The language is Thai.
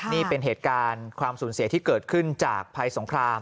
นี่เป็นเหตุการณ์ความสูญเสียที่เกิดขึ้นจากภัยสงคราม